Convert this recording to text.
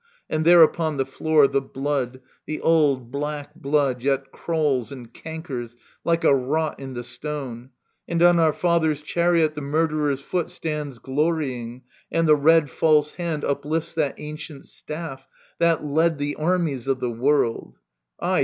And there upon the floor, the blood, the old Black blood, yet crawls and cankers, like a rot In the stone ! And \>n our father's chariot The murderer's foot stands glorying, and the red False hand uplifts that ancient staff, that led The armies of the world I